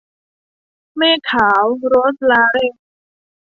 เมฆขาว - โรสลาเรน